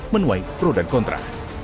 menuai pro dan kontra